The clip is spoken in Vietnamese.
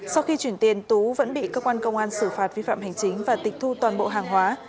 sau khi chuyển tiền tú vẫn bị cơ quan công an xử phạt vi phạm hành chính và tịch thu toàn bộ hàng hóa